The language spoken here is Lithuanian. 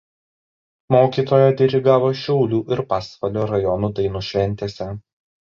Mokytoja dirigavo Šiaulių ir Pasvalio rajonų dainų šventėse.